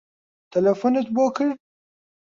تەلەفۆنت بۆ کرد؟